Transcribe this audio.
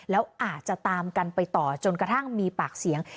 แล้วอาจจะตามกันไปต่อจนกระทั่งมีปากเสียง